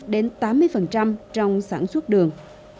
bảy mươi đến tám mươi trong sản xuất đường